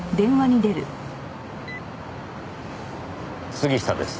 杉下です。